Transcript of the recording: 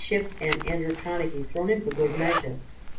Schiff and Andrew Carnegie thrown in for good measure.